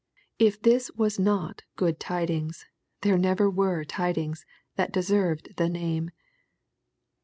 If this was not " good tidings," there never were tidings that deserved the name.